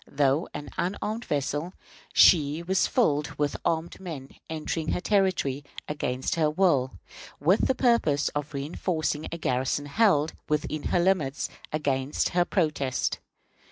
Though an unarmed vessel, she was filled with armed men entering her territory against her will, with the purpose of reënforcing a garrison held, within her limits, against her protest.